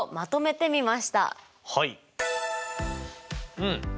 うん。